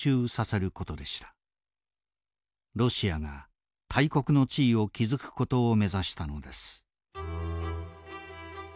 ロシアが大国の地位を築くことを目指したのです。